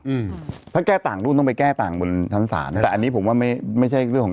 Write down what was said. อืมถ้าแก้ต่างรุ่นต้องไปแก้ต่างบนชั้นศาลแต่อันนี้ผมว่าไม่ไม่ใช่เรื่องของ